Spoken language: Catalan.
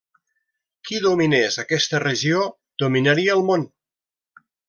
Qui dominés aquesta regió, dominaria el món.